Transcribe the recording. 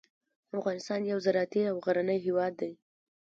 افغانستان یو زراعتي او غرنی هیواد دی.